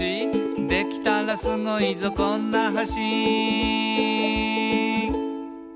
「できたらスゴいぞこんな橋」